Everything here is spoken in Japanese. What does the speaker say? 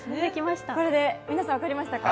これで皆さん分かりましたか。